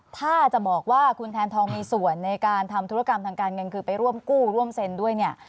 ถ้าจะบอกว่าคุณแทนทองมีส่วนในการทำธุรกรรมทางการเงินคือไปร่วมกู้ร่วมเซ็นด้วยเนี่ย